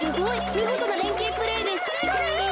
みごとなれんけいプレーです。